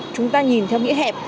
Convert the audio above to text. chúng ta nhìn theo nghĩa hẹp